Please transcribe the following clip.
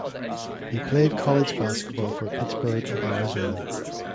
He played college basketball for Pittsburgh and Arizona.